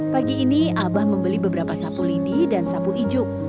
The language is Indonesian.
pagi ini abah membeli beberapa satu lidi dan sapu ijuk